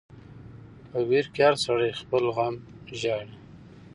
په ویر کی هر سړی خپل غم ژاړي .